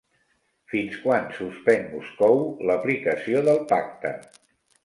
Fins quan suspèn Moscou l'aplicació del pacte?